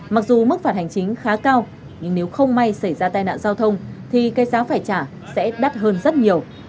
mặc dù mức phạt hành chính khá cao nhưng nếu không may xảy ra tai nạn giao thông thì cái giá phải trả sẽ đắt hơn rất nhiều